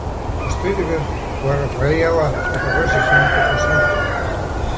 As tritiger waard er fereale op in Russysk famke fan santjin.